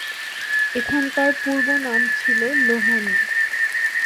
এখানকার পূর্ব নাম ছিলো লোহানী।